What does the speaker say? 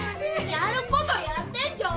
やることやってんじゃん！